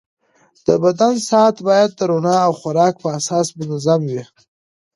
د بدن ساعت باید د رڼا او خوراک په اساس منظم وي.